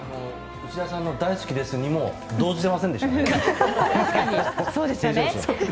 内田さんの大好きですにも動じていませんでしたね。